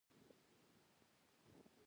پکورې له کورني خوړو غوره مثال دی